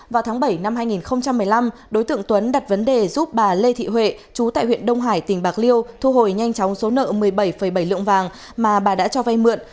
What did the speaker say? vào tháng bảy năm hai nghìn một mươi năm đối tượng tuấn đặt vấn đề giúp bà lê thị huệ chú tại huyện đông hải tỉnh bạc liêu thu hồi nhanh chóng số nợ một mươi bảy bảy lượng vàng mà bà đã cho vay mượn